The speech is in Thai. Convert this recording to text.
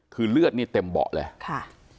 คือเลือดนี่เต็มเบาะเลยค่ะ